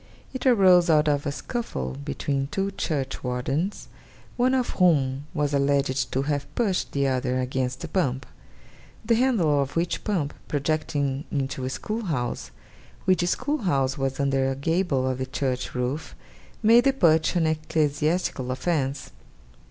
It arose out of a scuffle between two churchwardens, one of whom was alleged to have pushed the other against a pump; the handle of which pump projecting into a school house, which school house was under a gable of the church roof, made the push an ecclesiastical offence.